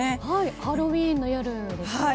ハロウィーンの夜ですよね。